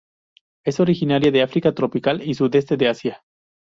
Es originaria de África tropical y sudeste de Asia.